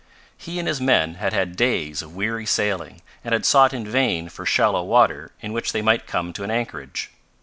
He and his men had had days of weary sailing and had sought in vain for shallow water in which they might come to an anchorage.